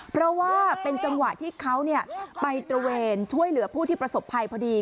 เพราะว่าเป็นจังหวะที่เขาไปตระเวนช่วยเหลือผู้ที่ประสบภัยพอดี